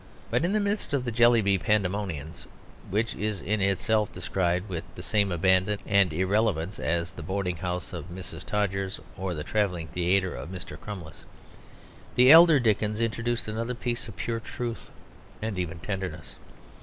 But in the midst of the Jellyby pandemonium, which is in itself described with the same abandon and irrelevance as the boarding house of Mrs. Todgers or the travelling theatre of Mr. Crummles, the elder Dickens introduced another piece of pure truth and even tenderness.